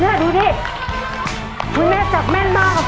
เนี่ยดูดิคุณแม่จับแม่นมากอ่ะพ่อ